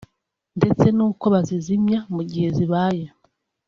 ndetse n’uko bazizimya mu gihe zibaye